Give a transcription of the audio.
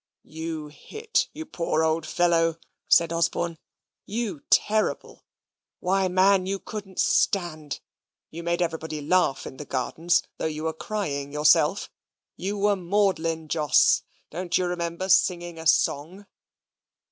"You hit, you poor old fellow!" said Osborne. "You terrible! Why, man, you couldn't stand you made everybody laugh in the Gardens, though you were crying yourself. You were maudlin, Jos. Don't you remember singing a song?"